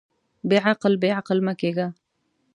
بېعقل، بېعقل مۀ کېږه.